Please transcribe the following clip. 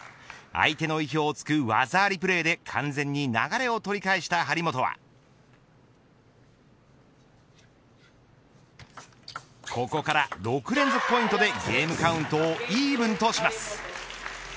相手の意表を突く技ありプレーで完全に流れを取り返した張本はここから６連続ポイントでゲームカウントをイーブンとします。